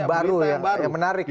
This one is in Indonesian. berita yang baru ya menarik ya